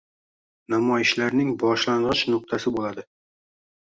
namoyishlarning boshlang‘ich nuqtasi bo‘ladi.